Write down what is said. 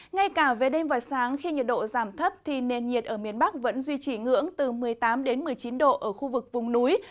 ngay cả về đêm và sáng khi nhiệt độ giảm thấp thì nền nhiệt ở miền bắc vẫn duy trì ngưỡng từ một mươi tám một mươi chín độ ở khu vực vùng núi